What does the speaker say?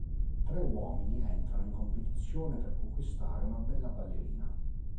Tre uomini entrano in competizione per conquistare una bella ballerina.